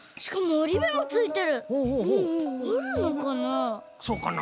おるのかな？